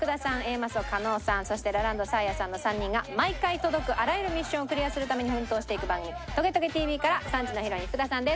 マッソ加納さんそしてラランドサーヤさんの３人が毎回届くあらゆるミッションをクリアするために奮闘していく番組『トゲトゲＴＶ』から３時のヒロイン福田さんです。